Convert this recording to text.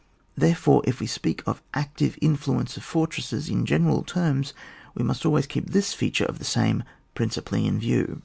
Therefore if we speak of the CLctive in fluence of fortresses in general terms, we must always keep this feature of the same principally in view.